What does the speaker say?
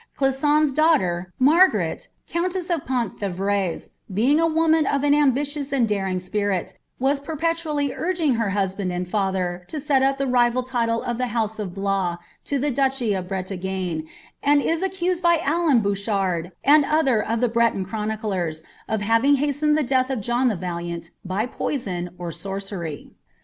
Qisaon's daughter, Mifg^ ret, countess de Penthievres, being a woman of an ambitious aikd 4tWf spirit, was perpetually urging her husband and failter to set up the rinl I title of the house of Blois to the duchy of Bretagne, and is accused bf Alain BouchanI, and other of the Breton chroniclers, of havitw b the death of John the Valiant, by poison or sorcery.